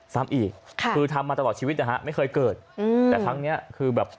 ซ้ำอีกค่ะคือทำมาตลอดชีวิตนะฮะไม่เคยเกิดอืมแต่ครั้งเนี้ยคือแบบ